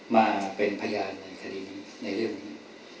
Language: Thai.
มาเป็นพยานในคดีในเรื่องนี้